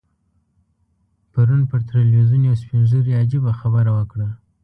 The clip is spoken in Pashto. پرون پر ټلویزیون یو سپین ږیري عجیبه خبره وکړه.